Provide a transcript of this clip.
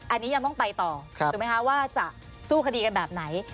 อันนี้ยังต้องไปต่อถูกไหมคะว่าจะสู้คดีกันแบบไหน